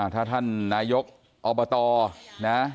ถ้าท่านนายกอบตนะ